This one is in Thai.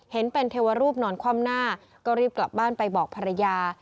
เห็นเป็นเทวรูปนอนคว่ำหน้าก็รีบกลับบ้านไปบอกภรรยา